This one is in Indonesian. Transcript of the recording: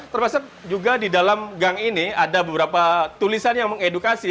termasuk juga di dalam gang ini ada beberapa tulisan yang mengedukasi